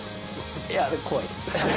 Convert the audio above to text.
いや、怖いです。